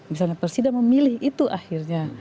misalnya presiden memilih itu akhirnya